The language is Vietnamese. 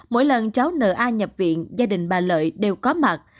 mỗi lần cháu n a nhập viện gia đình bà lợi đều có mặt